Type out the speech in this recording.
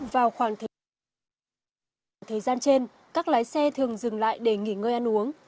vào khoảng thời gian trên các lái xe thường dừng lại để nghỉ ngơi ăn uống